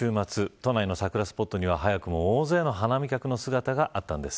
都内の桜スポットには早くも大勢の花見客の姿があったんです。